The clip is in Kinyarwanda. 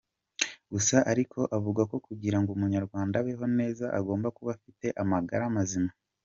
Gusa ariko avuga ko kugira ngo Umunyarwanda abeho neza agomba kuba afite amagara mazima.